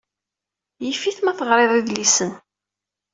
Yif-it ma teɣriḍ idlisen.